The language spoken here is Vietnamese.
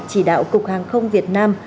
chỉ đạo cục hàng không việt nam